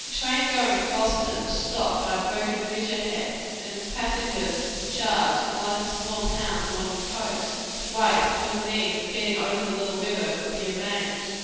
A train going to Boston was stopped by a broken bridge ahead, and its passengers discharged in one of the small towns along the coast, to wait until the means of getting over the little river could be arranged.